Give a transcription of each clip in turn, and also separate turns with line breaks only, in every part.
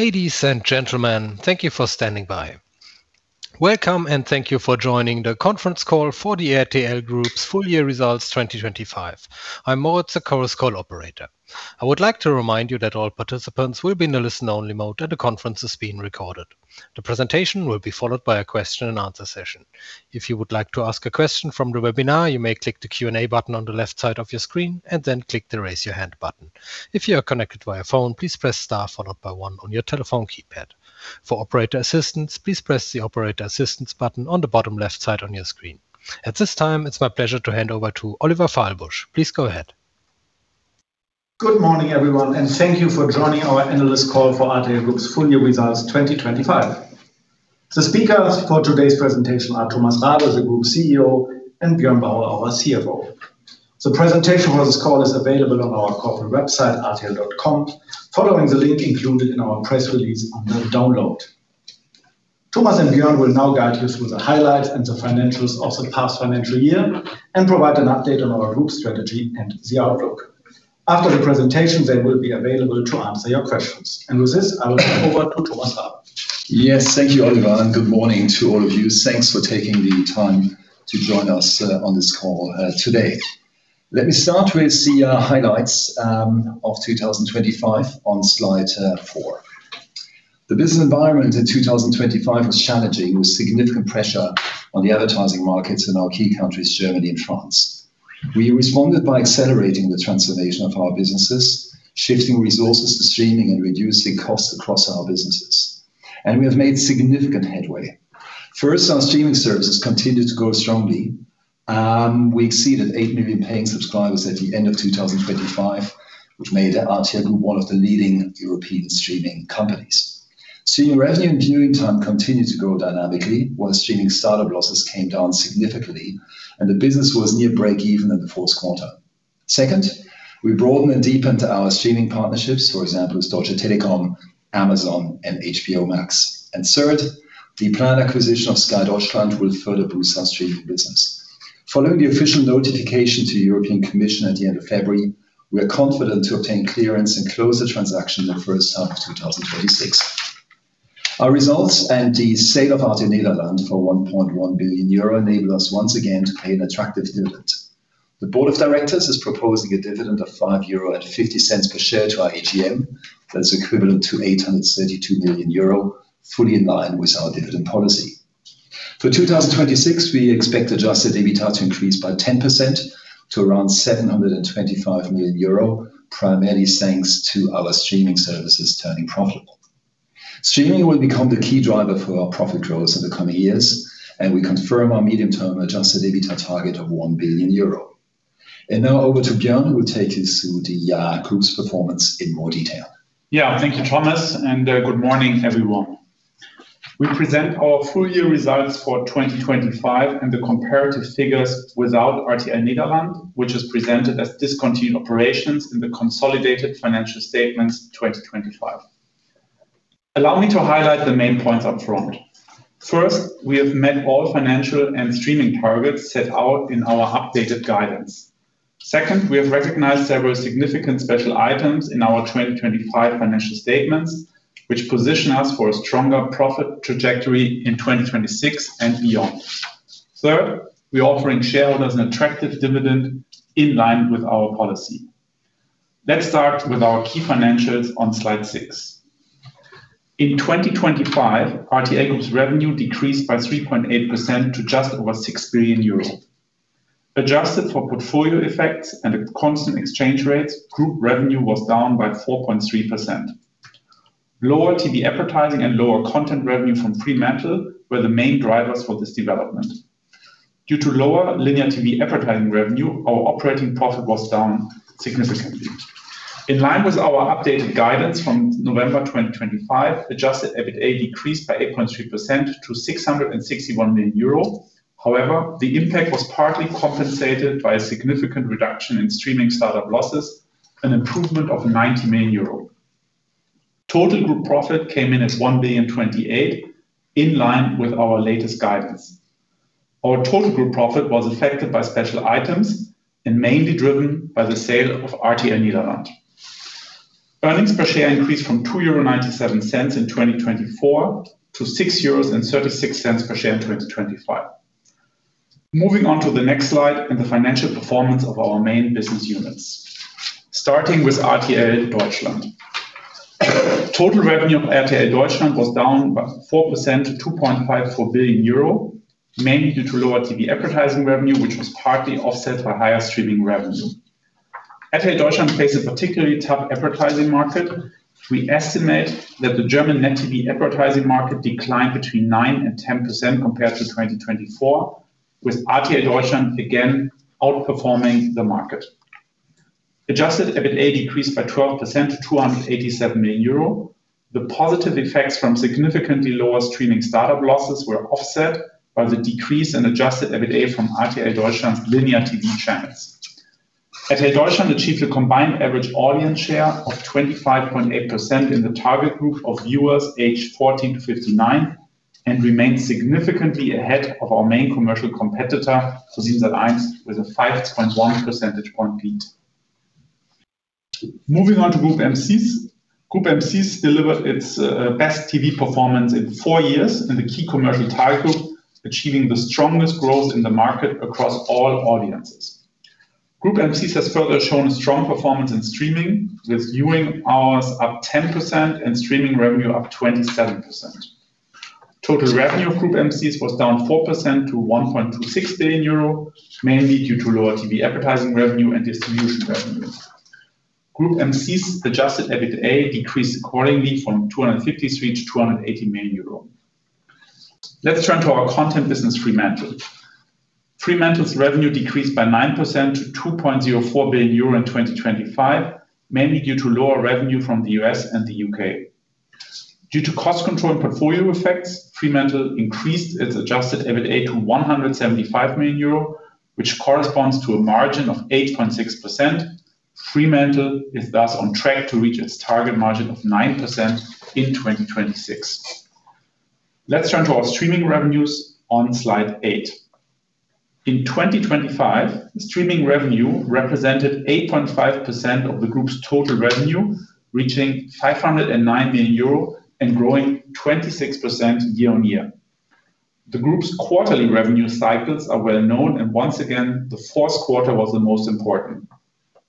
Ladies and gentlemen, thank you for standing by. Welcome and thank you for joining the conference call for the RTL Group's full year results 2025. I'm Moritz, the conference call operator. I would like to remind you that all participants will be in a listen-only mode and the conference is being recorded. The presentation will be followed by a question-and-answer session. If you would like to ask a question from the webinar, you may click the Q&A button on the left side of your screen and then click the Raise Your Hand button. If you are connected via phone, please press star followed by one on your telephone keypad. For operator assistance, please press the operator assistance button on the bottom left side on your screen. At this time, it's my pleasure to hand over to Oliver Fahlbusch. Please go ahead.
Good morning, everyone, and thank you for joining our analyst call for RTL Group's full year results 2025. The speakers for today's presentation are Thomas Rabe, the Group CEO, and Björn Bauer, our CFO. The presentation for this call is available on our corporate website, rtl.com, following the link included in our press release under Download. Thomas and Björn will now guide you through the highlights and the financials of the past financial year and provide an update on our group strategy and the outlook. After the presentation, they will be available to answer your questions. With this, I will hand over to Thomas Rabe.
Yes, thank you, Oliver, and good morning to all of you. Thanks for taking the time to join us on this call today. Let me start with the highlights of 2025 on slide four. The business environment in 2025 was challenging, with significant pressure on the advertising markets in our key countries, Germany and France. We responded by accelerating the transformation of our businesses, shifting resources to streaming, and reducing costs across our businesses. We have made significant headway. First, our streaming services continued to grow strongly. We exceeded 8 million paying subscribers at the end of 2025, which made RTL Group one of the leading European streaming companies. Streaming revenue and viewing time continued to grow dynamically, while streaming start-up losses came down significantly, and the business was near breakeven in the fourth quarter. Second, we broadened and deepened our streaming partnerships, for example Deutsche Telekom, Amazon, and HBO Max. Third, the planned acquisition of Sky Deutschland will further boost our streaming business. Following the official notification to European Commission at the end of February, we are confident to obtain clearance and close the transaction in the first half of 2026. Our results and the sale of RTL Nederland for 1.1 billion euro enable us once again to pay an attractive dividend. The board of directors is proposing a dividend of 5.50 euro per share to our AGM. That is equivalent to 832 million euro, fully in line with our dividend policy. For 2026, we expect adjusted EBITDA to increase by 10% to around 725 million euro, primarily thanks to our streaming services turning profitable. Streaming will become the key driver for our profit growth in the coming years, and we confirm our medium-term adjusted EBITDA target of 1 billion euro. Now over to Björn, who will take you through the group's performance in more detail.
Yeah. Thank you, Thomas, and good morning, everyone. We present our full year results for 2025 and the comparative figures without RTL Nederland, which is presented as discontinued operations in the consolidated financial statements 2025. Allow me to highlight the main points up front. First, we have met all financial and streaming targets set out in our updated guidance. Second, we have recognized several significant special items in our 2025 financial statements, which position us for a stronger profit trajectory in 2026 and beyond. Third, we're offering shareholders an attractive dividend in line with our policy. Let's start with our key financials on slide six. In 2025, RTL Group's revenue decreased by 3.8% to just over 6 billion euros. Adjusted for portfolio effects and constant exchange rates, group revenue was down by 4.3%. Lower TV advertising and lower content revenue from Fremantle were the main drivers for this development. Due to lower linear TV advertising revenue, our operating profit was down significantly. In line with our updated guidance from November 2025, adjusted EBITA decreased by 8.3% to 661 million euro. However, the impact was partly compensated by a significant reduction in streaming start-up losses, an improvement of 90 million euro. Total group profit came in as 1,028 million, in line with our latest guidance. Our total group profit was affected by special items and mainly driven by the sale of RTL Nederland. Earnings per share increased from 2.97 euro in 2024 to 6.36 euros per share in 2025. Moving on to the next slide and the financial performance of our main business units, starting with RTL Deutschland. Total revenue of RTL Deutschland was down by 4% to 2.54 billion euro, mainly due to lower TV advertising revenue, which was partly offset by higher streaming revenue. RTL Deutschland faced a particularly tough advertising market. We estimate that the German net TV advertising market declined between 9%-10% compared to 2024, with RTL Deutschland again outperforming the market. Adjusted EBITA decreased by 12% to 287 million euro. The positive effects from significantly lower streaming start-up losses were offset by the decrease in adjusted EBITA from RTL Deutschland's linear TV channels. RTL Deutschland achieved a combined average audience share of 25.8% in the target group of viewers aged 14-59 and remained significantly ahead of our main commercial competitor, ProSiebenSat.1, with a 5.1 percentage point lead. Moving on to Groupe M6. Groupe M6 delivered its best TV performance in four years in the key commercial title, achieving the strongest growth in the market across all audiences. Groupe M6 has further shown strong performance in streaming, with viewing hours up 10% and streaming revenue up 27%. Total revenue of Groupe M6 was down 4% to 1.26 billion euro, mainly due to lower TV advertising revenue and distribution revenue. Groupe M6 adjusted EBITDA decreased accordingly from 253 million to 280 million euro. Let's turn to our content business, Fremantle. Fremantle's revenue decreased by 9% to 2.04 billion euro in 2025, mainly due to lower revenue from the U.S. and the U.K. Due to cost control and portfolio effects, Fremantle increased its adjusted EBITDA to 175 million euro, which corresponds to a margin of 8.6%. Fremantle is thus on track to reach its target margin of 9% in 2026. Let's turn to our streaming revenues on slide eight. In 2025, streaming revenue represented 8.5% of the group's total revenue, reaching 509 million euro and growing 26% year-on-year. The group's quarterly revenue cycles are well-known, and once again, the fourth quarter was the most important.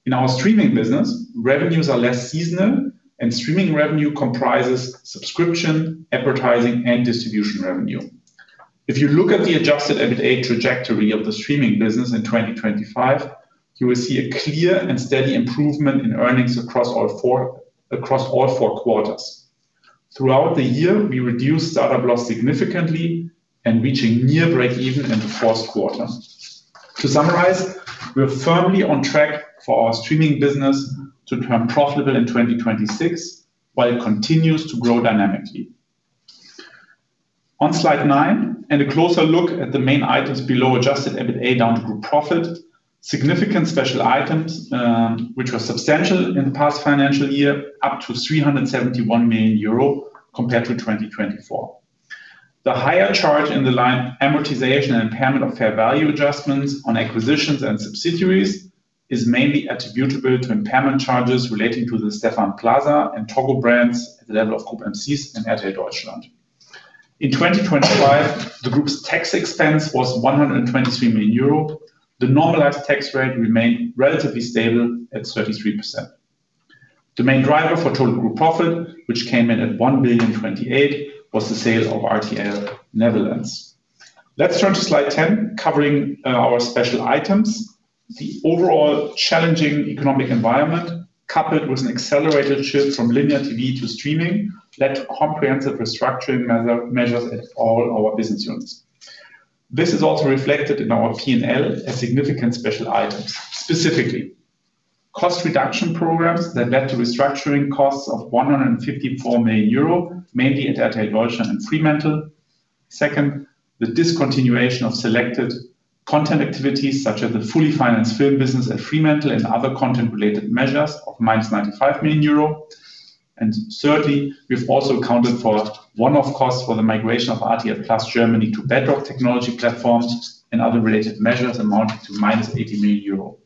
In our streaming business, revenues are less seasonal, and streaming revenue comprises subscription, advertising, and distribution revenue. If you look at the adjusted EBITDA trajectory of the streaming business in 2025, you will see a clear and steady improvement in earnings across all four quarters. Throughout the year, we reduced startup loss significantly and reaching near breakeven in the fourth quarter. To summarize, we are firmly on track for our streaming business to turn profitable in 2026 while it continues to grow dynamically. On slide nine and a closer look at the main items below adjusted EBITDA down to group profit. Significant special items, which were substantial in the past financial year, up to 371 million euro compared to 2024. The higher charge in the line amortization and impairment of fair value adjustments on acquisitions and subsidiaries is mainly attributable to impairment charges relating to the Stéphane Plaza and Toggo brands at the level of Groupe M6 and RTL Deutschland. In 2025, the group's tax expense was 123 million euro. The normalized tax rate remained relatively stable at 33%. The main driver for total group profit, which came in at 1,028 million, was the sale of RTL Nederland. Let's turn to slide 10, covering our special items. The overall challenging economic environment, coupled with an accelerated shift from linear TV to streaming, led to comprehensive restructuring measures at all our business units. This is also reflected in our P&L as significant special items. Specifically, cost reduction programs that led to restructuring costs of 154 million euro, mainly at RTL Deutschland and Fremantle. Second, the discontinuation of selected content activities such as the fully financed film business at Fremantle and other content-related measures of -95 million euro. Thirdly, we've also accounted for one-off costs for the migration of RTL+ Germany to Bedrock technology platforms and other related measures amounting to -80 million euro.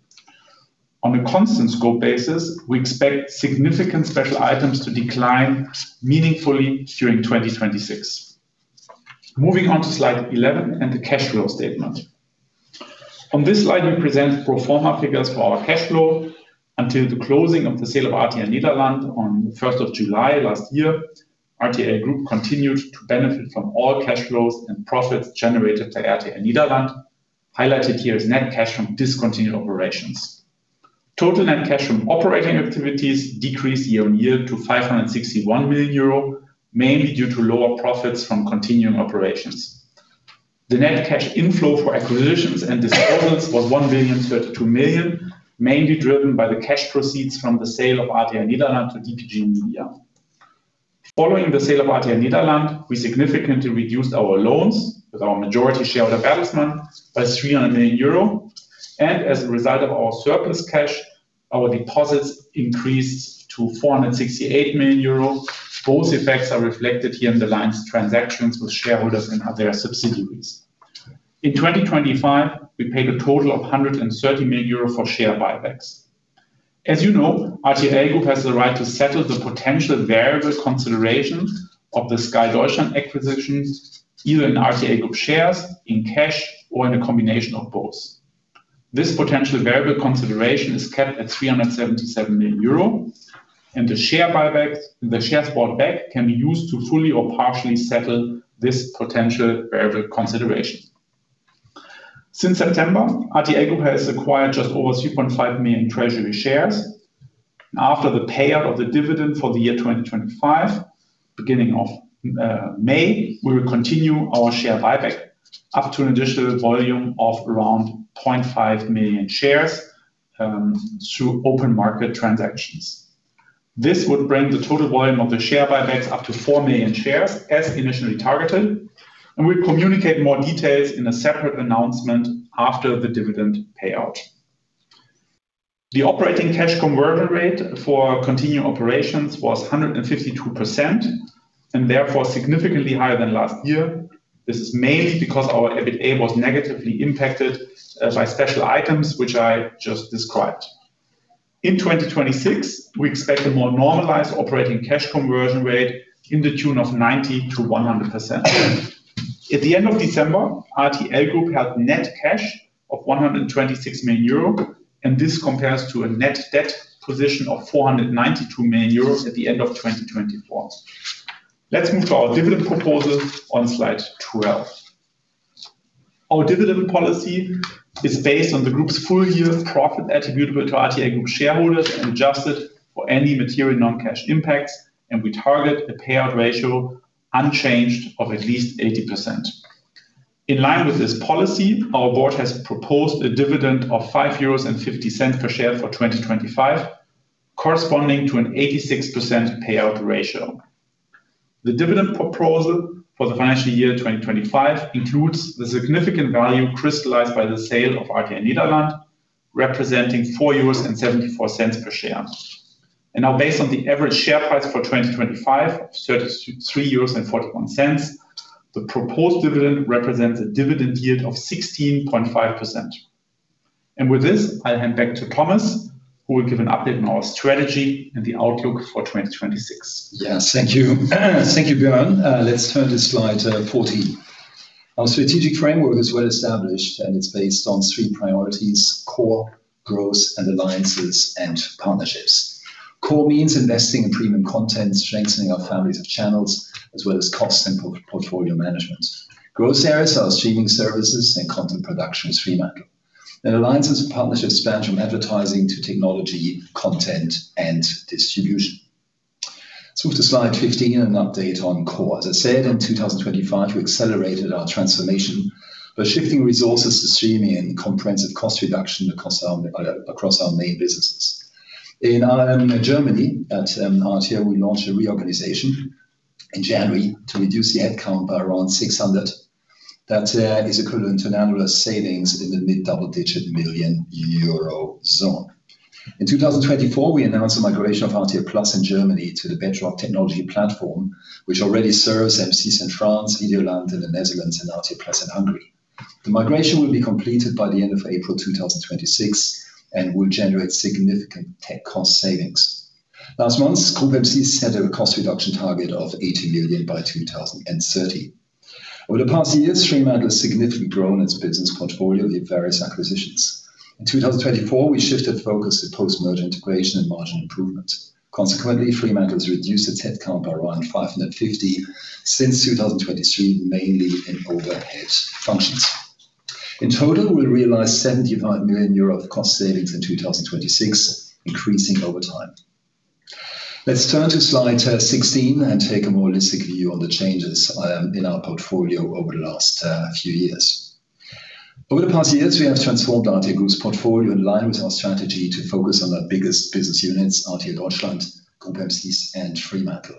On a constant scope basis, we expect significant special items to decline meaningfully during 2026. Moving on to slide 11 and the cash flow statement. On this slide, we present pro forma figures for our cash flow. Until the closing of the sale of RTL Nederland on the first of July last year, RTL Group continued to benefit from all cash flows and profits generated by RTL Nederland. Highlighted here is net cash from discontinued operations. Total net cash from operating activities decreased year-on-year to 561 million euro, mainly due to lower profits from continuing operations. The net cash inflow for acquisitions and disposals was 1.032 billion, mainly driven by the cash proceeds from the sale of RTL Nederland to DPG Media. Following the sale of RTL Nederland, we significantly reduced our loans with our majority shareholder, Bertelsmann, by 300 million euro. As a result of our surplus cash, our deposits increased to 468 million euro. Both effects are reflected here in the lines transactions with shareholders and other subsidiaries. In 2025, we paid a total of 130 million euro for share buybacks. As you know, RTL Group has the right to settle the potential variable consideration of the Sky Deutschland acquisition, either in RTL Group shares, in cash, or in a combination of both. This potential variable consideration is capped at 377 million euro, and the share buyback. The shares bought back can be used to fully or partially settle this potential variable consideration. Since September, RTL Group has acquired just over 3.5 million treasury shares. After the payout of the dividend for the year 2025, beginning of May, we will continue our share buyback up to an additional volume of around 0.5 million shares through open market transactions. This would bring the total volume of the share buybacks up to 4 million shares as initially targeted, and we'll communicate more details in a separate announcement after the dividend payout. The operating cash conversion rate for our continuing operations was 152%. Therefore significantly higher than last year. This is mainly because our EBITA was negatively impacted by special items which I just described. In 2026, we expect a more normalized operating cash conversion rate to the tune of 90%-100%. At the end of December, RTL Group had net cash of 126 million euro, and this compares to a net debt position of 492 million euros at the end of 2024. Let's move to our dividend proposal on slide 12. Our dividend policy is based on the group's full year profit attributable to RTL Group shareholders and adjusted for any material non-cash impacts, and we target a payout ratio unchanged of at least 80%. In line with this policy, our board has proposed a dividend of 5.50 euros per share for 2025, corresponding to an 86% payout ratio. The dividend proposal for the financial year 2025 includes the significant value crystallized by the sale of RTL Nederland, representing 4.74 euros per share. Now based on the average share price for 2025, 33.41 euros, the proposed dividend represents a dividend yield of 16.5%. With this, I'll hand back to Thomas, who will give an update on our strategy and the outlook for 2026.
Thank you. Thank you, Björn. Let's turn to slide 14. Our strategic framework is well established, and it's based on three priorities, core, growth, and alliances and partnerships. Core means investing in premium content, strengthening our families of channels, as well as cost and portfolio management. Growth areas are streaming services and content production with Fremantle. Alliances and partnerships span from advertising to technology, content, and distribution. Let's move to slide 15 and an update on core. As I said, in 2025 we accelerated our transformation by shifting resources to streaming and comprehensive cost reduction across our main businesses. In Germany at RTL, we launched a reorganization in January to reduce the headcount by around 600. That is equivalent to an annual savings in the mid-double-digit million EUR zone. In 2024, we announced the migration of RTL+ in Germany to the Bedrock technology platform, which already serves M6 in France, Videoland in the Netherlands and RTL+ in Hungary. The migration will be completed by the end of April 2026 and will generate significant tech cost savings. Last month, Groupe M6 set a cost reduction target of 80 million by 2030. Over the past years, Fremantle has significantly grown its business portfolio in various acquisitions. In 2024, we shifted focus to post-merger integration and margin improvement. Consequently, Fremantle has reduced its headcount by around 550 since 2023, mainly in overhead functions. In total, we'll realize 75 million euro of cost savings in 2026, increasing over time. Let's turn to slide 16 and take a more holistic view on the changes in our portfolio over the last few years. Over the past years, we have transformed RTL Group's portfolio in line with our strategy to focus on our biggest business units, RTL Deutschland, Groupe M6, and Fremantle.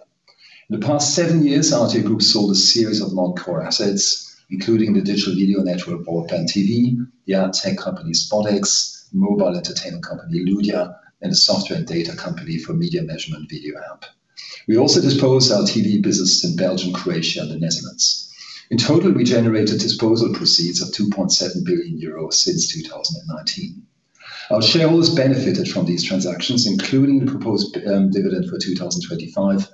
In the past seven years, RTL Group sold a series of non-core assets, including the digital video network BroadbandTV, the ad tech company SpotX, mobile entertainment company Ludia, and a software and data company for media measurement VideoAmp. We also disposed of our TV business in Belgium, Croatia and the Netherlands. In total, we generated disposal proceeds of 2.7 billion euros since 2019. Our shareholders benefited from these transactions, including the proposed dividend for 2025.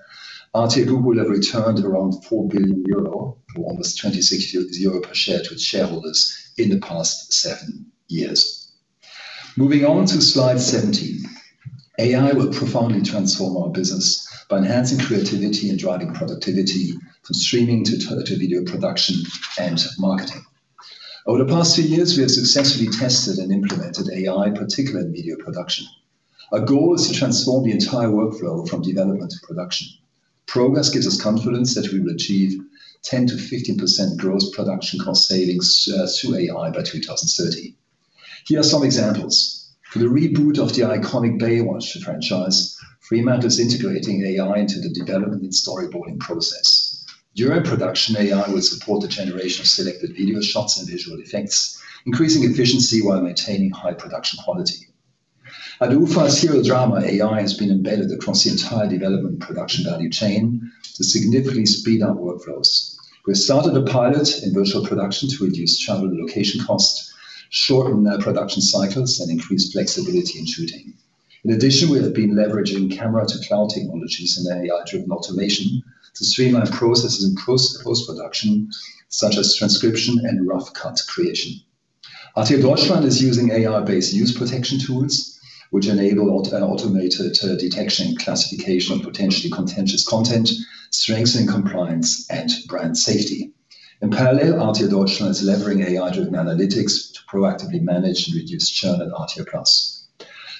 RTL Group will have returned around 4 billion euro or almost 26 euro per share to its shareholders in the past seven years. Moving on to slide 17. AI will profoundly transform our business by enhancing creativity and driving productivity from streaming to video production and marketing. Over the past two years, we have successfully tested and implemented AI, particularly in video production. Our goal is to transform the entire workflow from development to production. Progress gives us confidence that we will achieve 10%-15% gross production cost savings through AI by 2030. Here are some examples. For the reboot of the iconic Baywatch franchise, Fremantle is integrating AI into the development and storyboarding process. During production, AI will support the generation of selected video shots and visual effects, increasing efficiency while maintaining high production quality. At UFA's hero drama, AI has been embedded across the entire development and production value chain to significantly speed up workflows. We have started a pilot in virtual production to reduce travel and location costs, shorten production cycles, and increase flexibility in shooting. In addition, we have been leveraging Camera to Cloud technologies and AI-driven automation to streamline processes in post-production, such as transcription and rough cut creation. RTL Deutschland is using AI-based user protection tools, which enable automated detection and classification of potentially contentious content, strengthening compliance and brand safety. In parallel, RTL Deutschland is leveraging AI-driven analytics to proactively manage and reduce churn at RTL+.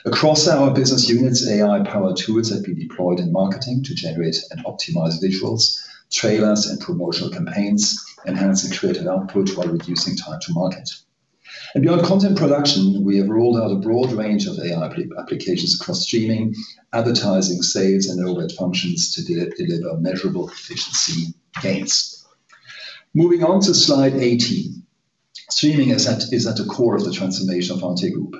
Across our business units, AI-powered tools have been deployed in marketing to generate and optimize visuals, trailers, and promotional campaigns, enhancing creative output while reducing time to market. Beyond content production, we have rolled out a broad range of AI applications across streaming, advertising, sales, and overhead functions to deliver measurable efficiency gains. Moving on to slide 18. Streaming is at the core of the transformation of RTL Group.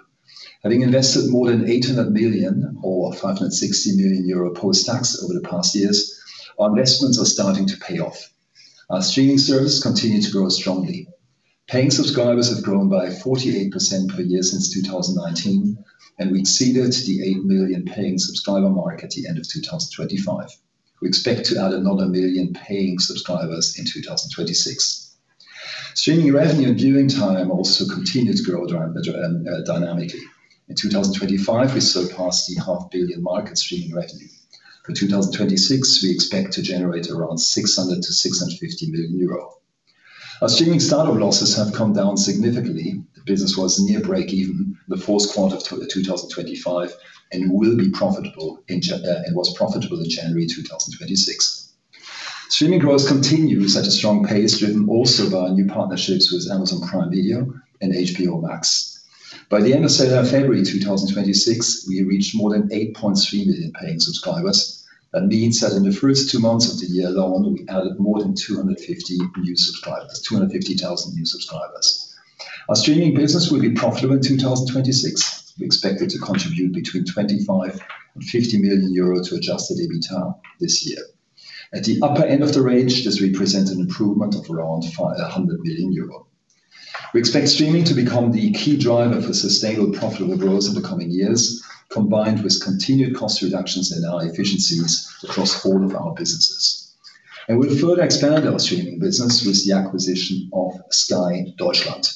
Having invested more than 800 million or 560 million euro post-tax over the past years, our investments are starting to pay off. Our streaming service continue to grow strongly. Paying subscribers have grown by 48% per year since 2019, and we've reached the 8 million paying subscriber mark at the end of 2025. We expect to add another million paying subscribers in 2026. Streaming revenue and viewing time also continue to grow dynamically. In 2025, we surpassed the half billion mark in streaming revenue. For 2026, we expect to generate around 600 million-650 million euro. Our streaming start-up losses have come down significantly. The business was near breakeven in the fourth quarter of 2025 and was profitable in January 2026. Streaming growth continues at a strong pace, driven also by new partnerships with Amazon Prime Video and HBO Max. By the end of February 2026, we reached more than 8.3 million paying subscribers. That means that in the first two months of the year alone, we added more than 250,000 new subscribers. Our streaming business will be profitable in 2026. We expect it to contribute between 25 million and 50 million euro to adjusted EBITDA this year. At the upper end of the range, this represents an improvement of around 100 million euro. We expect streaming to become the key driver for sustainable profitable growth in the coming years, combined with continued cost reductions and high efficiencies across all of our businesses. We'll further expand our streaming business with the acquisition of Sky Deutschland.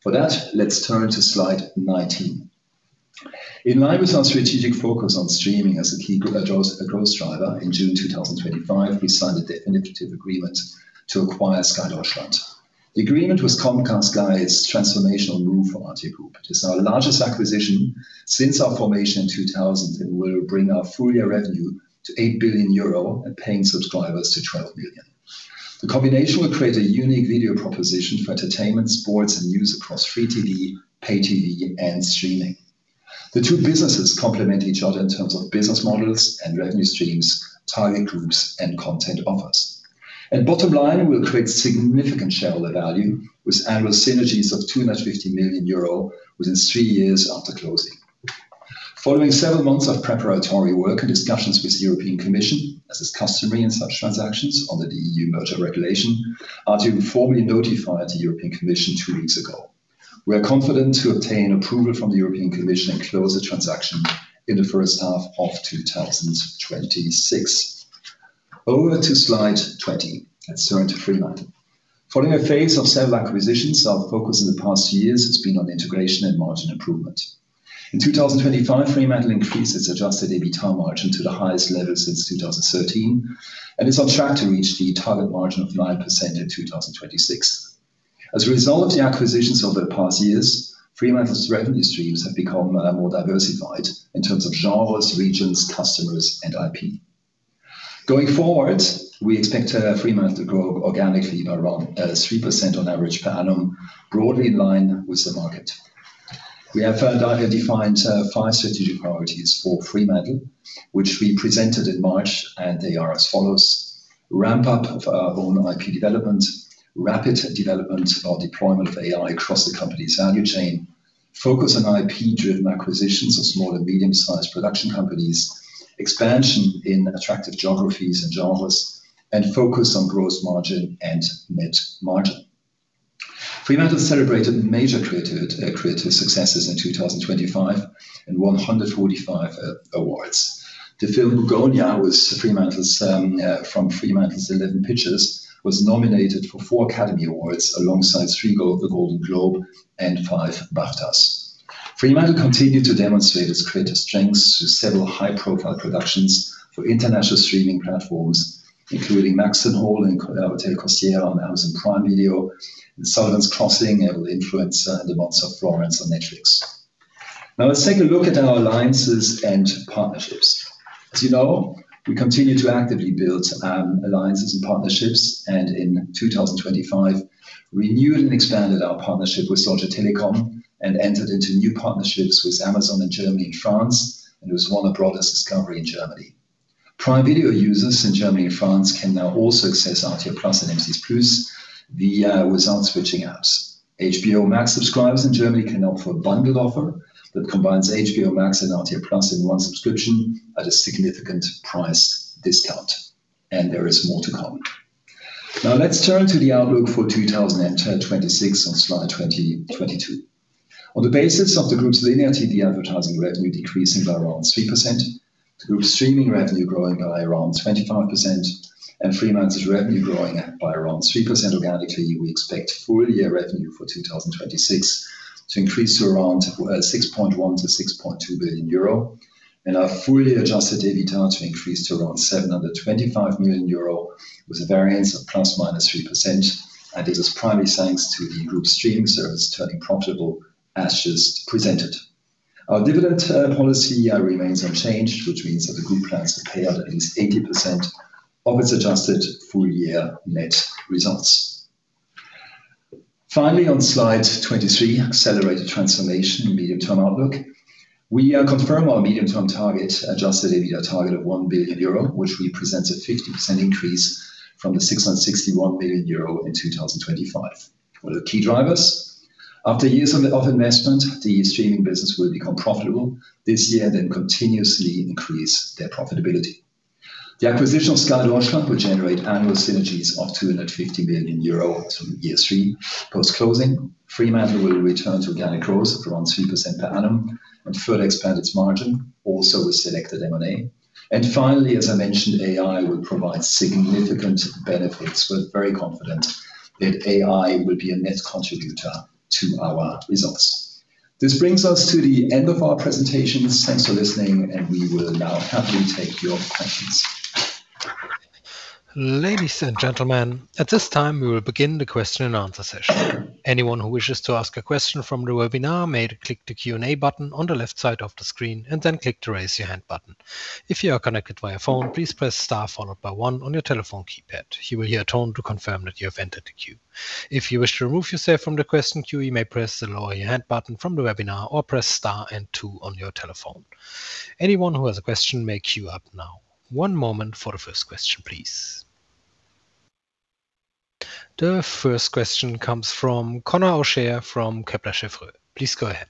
For that, let's turn to slide 19. In line with our strategic focus on streaming as a key growth driver, in June 2025, we signed a definitive agreement to acquire Sky Deutschland. The agreement with Comcast Sky is a transformational move for RTL Group. It is our largest acquisition since our formation in 2000, and will bring our full-year revenue to 8 billion euro and paying subscribers to 12 million. The combination will create a unique video proposition for entertainment, sports, and news across free TV, pay TV, and streaming. The two businesses complement each other in terms of business models and revenue streams, target groups, and content offers. Bottom line, we'll create significant shareholder value with annual synergies of 250 million euro within three years after closing. Following several months of preparatory work and discussions with the European Commission, as is customary in such transactions under the EU Merger Regulation, RTL formally notified the European Commission two weeks ago. We are confident to obtain approval from the European Commission and close the transaction in the first half of 2026. Over to slide 20. Let's turn to Fremantle. Following a phase of several acquisitions, our focus in the past years has been on integration and margin improvement. In 2025, Fremantle increased its adjusted EBITDA margin to the highest level since 2013, and is on track to reach the target margin of 9% in 2026. As a result of the acquisitions over the past years, Fremantle's revenue streams have become more diversified in terms of genres, regions, customers and IP. Going forward, we expect Fremantle to grow organically by around 3% on average per annum, broadly in line with the market. We have further identified 5 strategic priorities for Fremantle, which we presented in March, and they are as follows, ramp up of our own IP development, rapid development of our deployment of AI across the company's value chain, focus on IP-driven acquisitions of small- and medium-sized production companies, expansion in attractive geographies and genres, and focus on gross margin and net margin. Fremantle celebrated major creative successes in 2025 and won 145 awards. The film Bugonia from Fremantle's Eleven Pictures was nominated for four Academy Awards alongside three Golden Globes and five BAFTAs. Fremantle continued to demonstrate its creative strengths through several high-profile productions for international streaming platforms, including Maxton Hall and Hotel Costiera on Amazon Prime Video, and Sullivan's Crossing and The Influencer and The Monster of Florence on Netflix. Now let's take a look at our alliances and partnerships. As you know, we continue to actively build alliances and partnerships, and in 2025, renewed and expanded our partnership with Orange and entered into new partnerships with Amazon in Germany and France, and with Warner Bros. Discovery in Germany. Prime Video users in Germany and France can now also access RTL+ and M6+ without switching apps. Max subscribers in Germany can opt for a bundled offer that combines Max and RTL+ in one subscription at a significant price discount, and there is more to come. Now let's turn to the outlook for 2026 on slide 22. On the basis of the group's linear TV advertising revenue decreasing by around 3%, the group's streaming revenue growing by around 25%, and Fremantle's revenue growing by around 3% organically, we expect full-year revenue for 2026 to increase to around 6.1 billion-6.2 billion euro and our fully adjusted EBITDA to increase to around 725 million euro, with a variance of ±3%, and this is primarily thanks to the group's streaming service turning profitable as just presented. Our dividend policy remains unchanged, which means that the group plans to pay out at least 80% of its adjusted full-year net results. Finally, on slide 23, accelerated transformation and medium-term outlook. We confirm our medium-term target, adjusted EBITDA target of 1 billion euro, which represents a 50% increase from the 661 million euro in 2025. What are the key drivers? After years of investment, the streaming business will become profitable this year, then continuously increase their profitability. The acquisition of Sky Deutschland will generate annual synergies of 250 million euro from year three post-closing. Fremantle will return to organic growth of around 3% per annum and further expand its margin also with selected M&A. Finally, as I mentioned, AI will provide significant benefits. We're very confident that AI will be a net contributor to our results. This brings us to the end of our presentation. Thanks for listening, and we will now happily take your questions.
Ladies and gentlemen, at this time we will begin the question and answer session. Anyone who wishes to ask a question from the webinar may click the Q&A button on the left side of the screen and then click the raise your hand button. If you are connected via phone, please press star followed by one on your telephone keypad. You will hear a tone to confirm that you have entered the queue. If you wish to remove yourself from the question queue, you may press the lower your hand button from the webinar or press star and two on your telephone. Anyone who has a question may queue up now. One moment for the first question, please. The first question comes from Conor O'Shea from Kepler Cheuvreux. Please go ahead.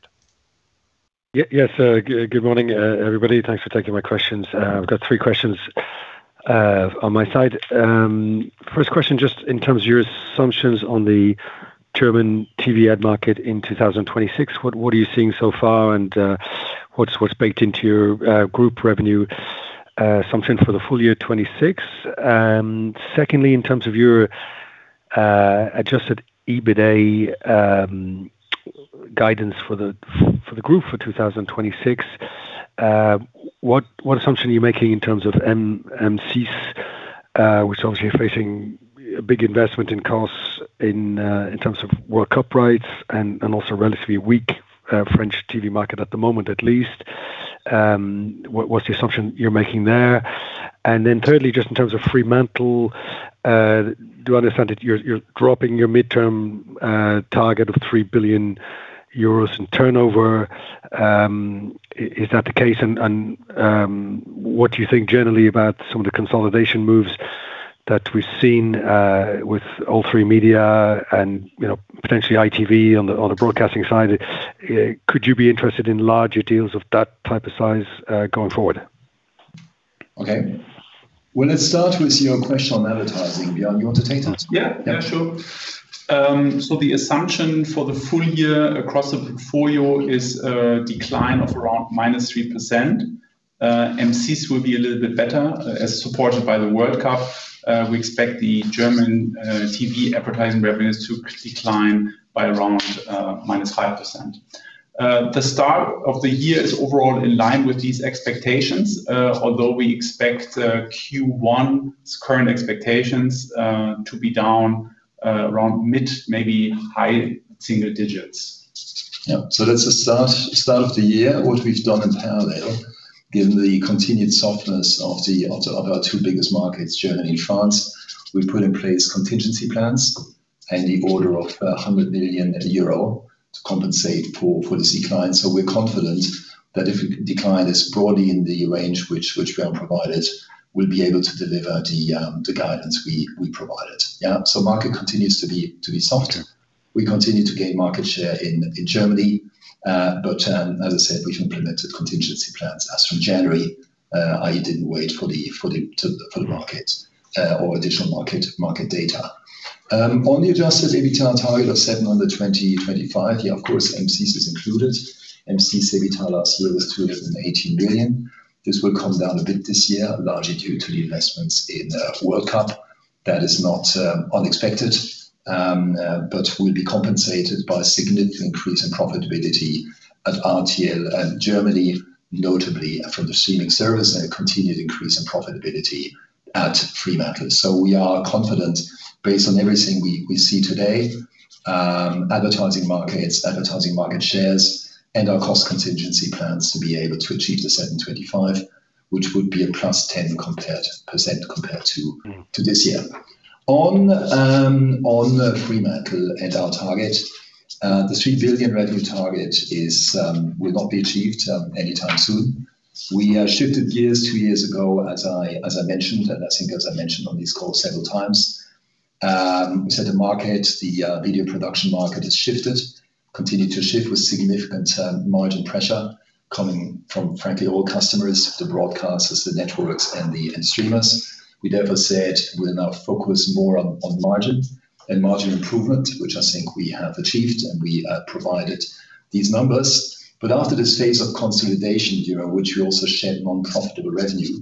Yes, good morning, everybody. Thanks for taking my questions. I've got three questions on my side. First question, just in terms of your assumptions on the German TV ad market in 2026, what are you seeing so far? What's baked into your group revenue assumption for the full year 2026? Secondly, in terms of your adjusted EBITDA guidance for the group for 2026, what assumption are you making in terms of M6, which obviously are facing a big investment in costs in terms of World Cup rights and also relatively weak French TV market at the moment, at least. What's the assumption you're making there? Then thirdly, just in terms of Fremantle, do I understand that you're dropping your midterm target of 3 billion euros in turnover? Is that the case? What do you think generally about some of the consolidation moves that we've seen with All3Media and potentially ITV on the broadcasting side? Could you be interested in larger deals of that type of size going forward?
Okay. Well, let's start with your question on advertising. Björn, do you want to take that?
Yeah, yeah, sure. The assumption for the full year across the portfolio is a decline of around -3%. M6 will be a little bit better as supported by the World Cup. We expect the German TV advertising revenues to decline by around -5%. The start of the year is overall in line with these expectations, although we expect Q1's current expectations to be down around mid, maybe high single digits.
Yeah. That's the start of the year. What we've done in parallel, given the continued softness of our two biggest markets, Germany and France, we put in place contingency plans in the order of 100 million euro to compensate for this decline. We're confident that if decline is broadly in the range which we have provided, we'll be able to deliver the guidance we provided. Yeah. Market continues to be soft. We continue to gain market share in Germany. As I said, we've implemented contingency plans as from January, i.e. didn't wait for the market or additional market data. On the adjusted EBITDA target of seven in 2025, yeah, of course M6 is included. M6 EBITDA last year was 218 million. This will come down a bit this year, largely due to the investments in World Cup. That is not unexpected, but will be compensated by a significant increase in profitability at RTL and Germany, notably from the streaming service, and a continued increase in profitability at Fremantle. We are confident based on everything we see today, advertising markets, advertising market shares, and our cost contingency plans to be able to achieve the 725, which would be a +10% compared to-
Mm.
-to this year. On Fremantle and our target, the 3 billion revenue target is, will not be achieved anytime soon. We shifted gears two years ago as I mentioned, and I think as I mentioned on this call several times. We said the market, the video production market has shifted, continued to shift with significant margin pressure coming from, frankly, all customers, the broadcasters, the networks and the end streamers. We therefore said we'll now focus more on margin and margin improvement, which I think we have achieved, and we provided these numbers. After this phase of consolidation year, which we also shed non-profitable revenue,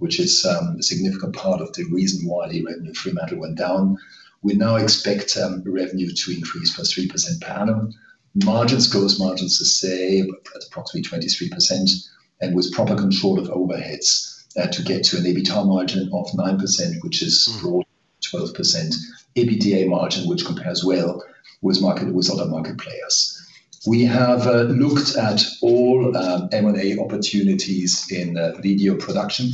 which is a significant part of the reason why the revenue at Fremantle went down, we now expect revenue to increase +3% per annum. Gross margins to stay at approximately 23% and with proper control of overheads to get to an EBITDA margin of 9%, which is our 12% EBITDA margin, which compares well with other market players. We have looked at all M&A opportunities in video production.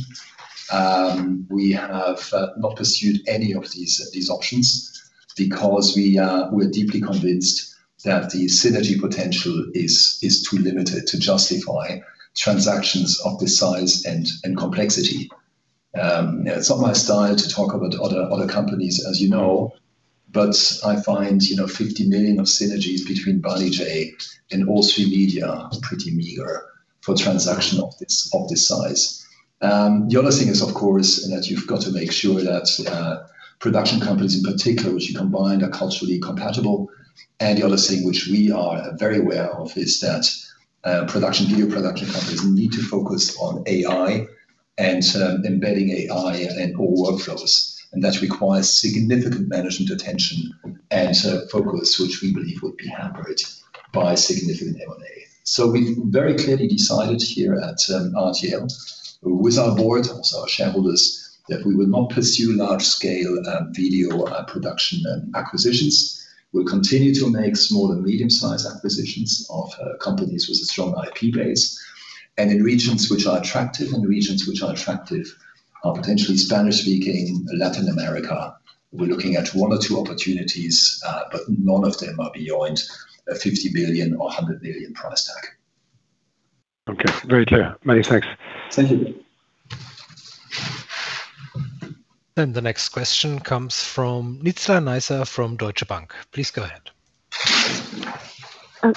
We have not pursued any of these options because we're deeply convinced that the synergy potential is too limited to justify transactions of this size and complexity. It's not my style to talk about other companies as you know, but I find, you know, 50 million of synergies between Banijay and All3Media are pretty meager for transaction of this size. The other thing is, of course, that you've got to make sure that production companies in particular, which you combine, are culturally compatible. The other thing which we are very aware of is that video production companies need to focus on AI and embedding AI in all workflows, and that requires significant management attention and focus, which we believe would be hampered by significant M&A. We've very clearly decided here at RTL with our board, also our shareholders, that we will not pursue large scale video production acquisitions. We'll continue to make small and medium-sized acquisitions of companies with a strong IP base and in regions which are attractive, potentially Spanish-speaking Latin America. We're looking at one or two opportunities, but none of them are beyond a 50 billion or a 100 billion price tag.
Okay. Very clear. Many thanks.
Thank you.
The next question comes from Nizla Naizer from Deutsche Bank. Please go ahead.
Oh,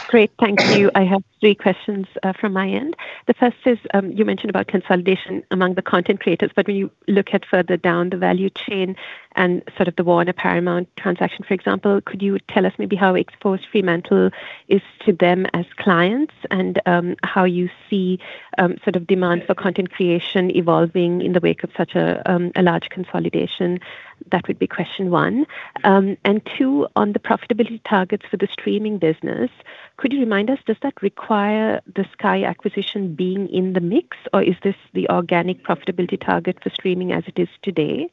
great. Thank you. I have three questions from my end. The first is, you mentioned about consolidation among the content creators, but when you look at further down the value chain and sort of the Warner-Paramount transaction, for example, could you tell us maybe how exposed Fremantle is to them as clients and, how you see, sort of demand for content creation evolving in the wake of such a large consolidation? That would be question one. Two, on the profitability targets for the streaming business, could you remind us, does that require the Sky acquisition being in the mix, or is this the organic profitability target for streaming as it is today?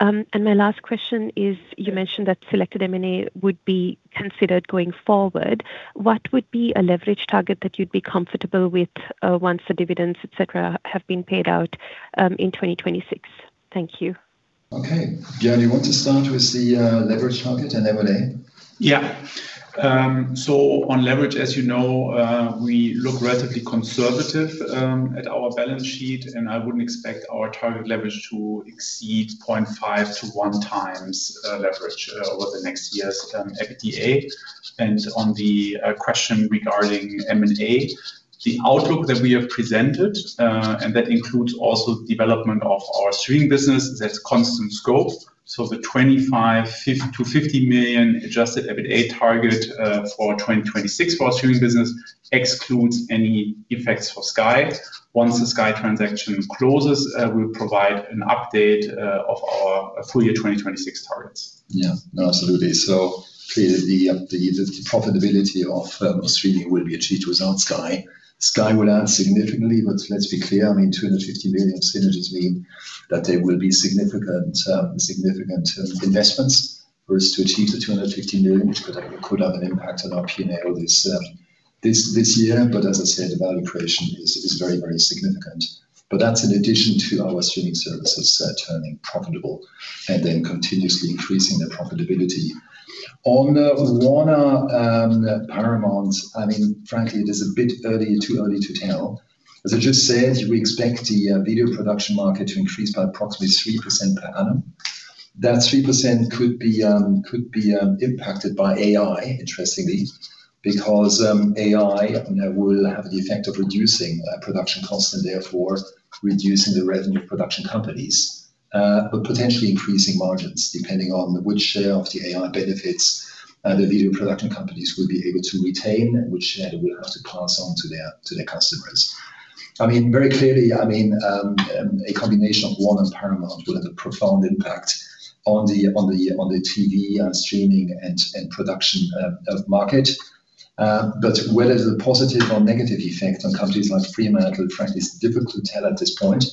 My last question is, you mentioned that selected M&A would be considered going forward. What would be a leverage target that you'd be comfortable with, once the dividends, et cetera, have been paid out, in 2026? Thank you.
Okay. Gerry, you want to start with the leverage target and M&A?
Yeah. So on leverage, as you know, we look relatively conservative at our balance sheet, and I wouldn't expect our target leverage to exceed 0.5-1x leverage over next year's EBITDA. On the question regarding M&A, the outlook that we have presented, and that includes also development of our streaming business, that's constant scope. The 25-50 million adjusted EBITDA target for 2026 for our streaming business excludes any effects for Sky. Once the Sky transaction closes, we'll provide an update of our full-year 2026 targets.
Yeah. No, absolutely. Clearly the profitability of streaming will be achieved without Sky. Sky will add significantly, but let's be clear, I mean, 250 million synergies mean that there will be significant investments for us to achieve the 250 million, which could have an impact on our P&L this year. As I said, the value creation is very significant. That's in addition to our streaming services turning profitable and then continuously increasing their profitability. On Warner, Paramount, I mean, frankly, it is a bit early, too early to tell. As I just said, we expect the video production market to increase by approximately 3% per annum. That 3% could be impacted by AI, interestingly, because AI, you know, will have the effect of reducing production costs and therefore reducing the revenue of production companies but potentially increasing margins, depending on which share of the AI benefits the video production companies will be able to retain and which share they will have to pass on to their customers. I mean, very clearly, a combination of Warner and Paramount will have a profound impact on the TV and streaming and production market. Whether the positive or negative effect on companies like Fremantle, frankly, it's difficult to tell at this point.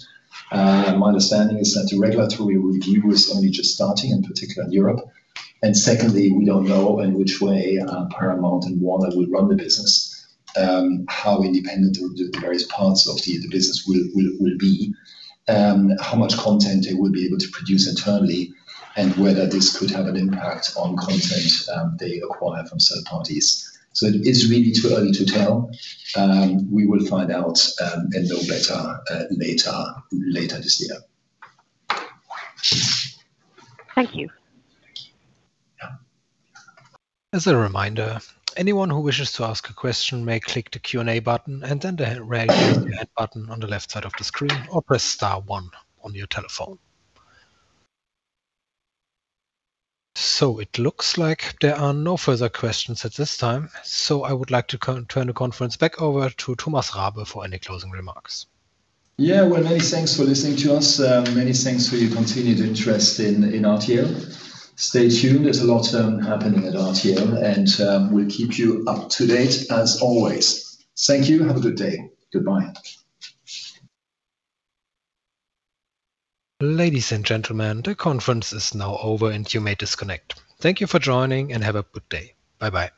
My understanding is that the regulatory review is only just starting, in particular in Europe. Secondly, we don't know in which way Paramount and Warner will run the business, how independent the various parts of the business will be. How much content they will be able to produce internally, and whether this could have an impact on content they acquire from third parties. It is really too early to tell. We will find out, and know better, later this year.
Thank you.
Thank you. Yeah.
As a reminder, anyone who wishes to ask a question may click the Q&A button and then the Raise Your Hand button on the left side of the screen or press star one on your telephone. It looks like there are no further questions at this time. I would like to turn the conference back over to Thomas Rabe for any closing remarks.
Yeah. Well, many thanks for listening to us. Many thanks for your continued interest in RTL. Stay tuned. There's a lot happening at RTL, and we'll keep you up to date as always. Thank you. Have a good day. Goodbye.
Ladies and gentlemen, the conference is now over, and you may disconnect. Thank you for joining, and have a good day. Bye bye.